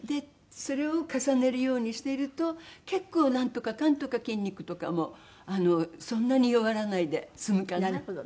それを重ねるようにしていると結構なんとかかんとか筋肉とかもそんなに弱らないで済むかなって。